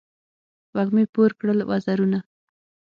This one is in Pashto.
وږمې پور کړل وزرونه